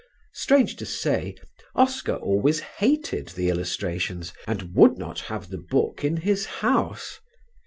Strange to say, Oscar always hated the illustrations and would not have the book in his house.